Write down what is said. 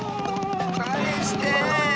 かえして！